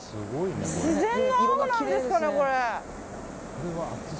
自然の青なんですかね、これ。